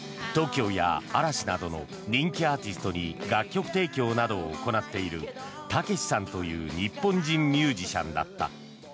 ＴＯＫＩＯや嵐など人気アーティストに楽曲提供などを行っているＴＡＫＥＳＨＩさんという日本人ミュージシャンだった。